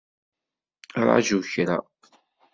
Ṛaju kra.